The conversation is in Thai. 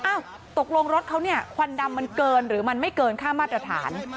ตกลงรถเขาเนี่ยควันดำมันเกินหรือมันไม่เกินค่ามาตรฐาน